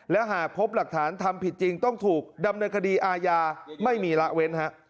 และหากพบหลักฐานทำผิดจริงต้องถูกดำเนินคดีอาญาไม่มีละเว้น